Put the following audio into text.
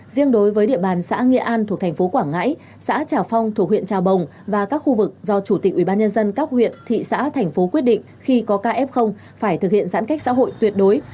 riêng đối với địa bàn xã nghĩa an thuộc thành phố quảng ngãi xã trà phong thuộc huyện trà bồng và các khu vực do chủ tịch ubnd các huyện thị xã thành phố quyết định khi có kf phải thực hiện giãn cách xã hội tuyệt đối